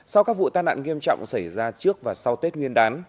sau các vụ tai nạn nghiêm trọng xảy ra trước và sau tết nguyên đán